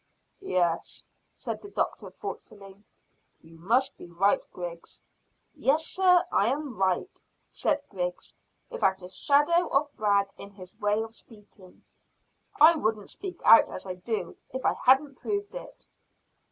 "Yes," said the doctor thoughtfully. "You must be right, Griggs." "Yes, sir, I am right," said Griggs, without a shadow of brag in his way of speaking. "I wouldn't speak out as I do if I hadn't proved it."